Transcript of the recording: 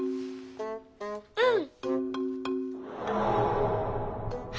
うん！